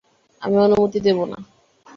আমি অনুমতি দেবো না।